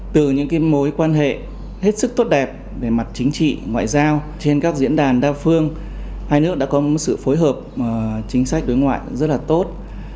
từ những mối quan hệ hết sức tốt đẹp về mặt chính trị ngoại giao trên các diễn đàn đa phương hai nước đã có sự phối hợp chính sách đối ngoại rất là tốt